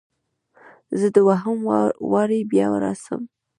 زه دوهم واري بیا راسم؟